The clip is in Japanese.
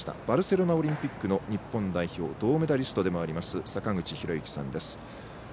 バルセロナオリンピックの日本代表、銅メダリストでもある坂口裕之さんです。